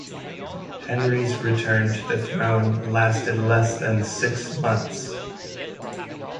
Henry's return to the throne lasted less than six months.